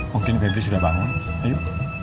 mungkin febri sudah bangun tip